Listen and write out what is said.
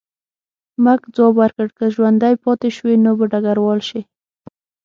مک ځواب ورکړ، که ژوندی پاتې شوې نو به ډګروال شې.